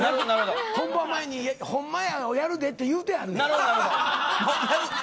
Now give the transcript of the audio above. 本番前にほんまやをやるでって言ってはる。